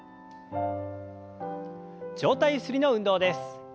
上体ゆすりの運動です。